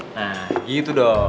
nah gitu dong